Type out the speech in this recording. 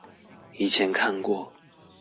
以前看過